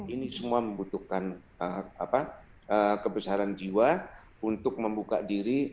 ini semua membutuhkan kebesaran jiwa untuk membuka diri